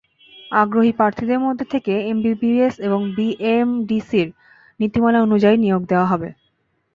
আগ্রহী প্রার্থীদের মধ্য থেকে এমবিবিএস এবং বিএমডিসির নীতিমালা অনুযায়ী নিয়োগ দেওয়া হবে।